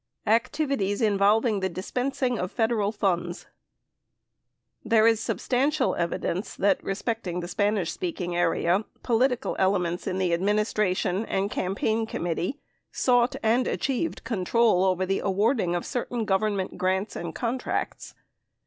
ACTIVITIES INVOLVING THE DISPENSING OF FEDERAL FUNDS There is substantial evidence that, respecting the Spanish speaking area, political elements in the administration and campaign committee sought and achieved control over the awarding of certain governmen tal grants and contracts.